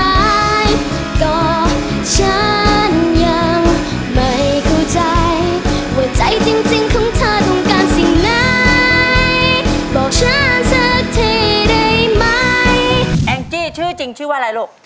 แองจี้ชื่อจริงชื่อว่าอะไรลูก